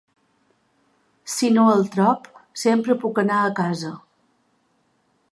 Si no el trobo, sempre puc anar a casa.